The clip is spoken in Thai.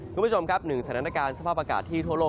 คุณผู้ชมครับหนึ่งสถานการณ์สภาพอากาศที่ทั่วโลก